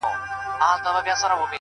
خره یې وروڼه وه آسونه یې خپلوان وه-